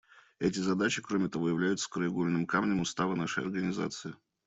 Эти задачи, кроме того, являются краеугольным камнем Устава нашей Организации.